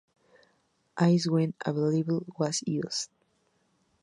Ice, when available, was used.